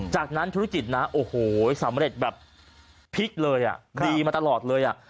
จากนั้นธุรกิจนะโอ้โหสำเร็จแบบพลิกเลยอ่ะดีมาตลอดเลยอ่ะ